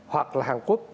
hoặc là hàn quốc